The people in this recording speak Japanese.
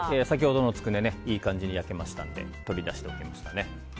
先ほどのつくねいい感じに焼けましたので取り出しておきました。